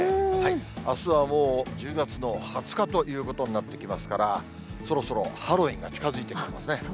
あすはもう、１０月の２０日ということになってきますから、そろそろハロウィンが近づいてきますね。